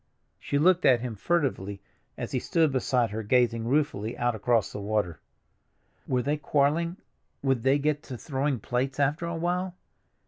She looked at him furtively as he stood beside her gazing ruefully out across the water. Were they quarreling—would they get to throwing plates after a while?